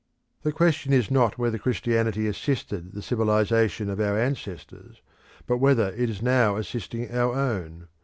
The question is not whether Christianity assisted the civilisation of our ancestors, but whether it is now assisting our own.